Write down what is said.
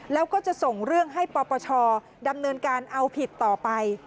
แล้วก็จะส่งเรื่องให้ปปชดำเนินการเอาผิดต่อไป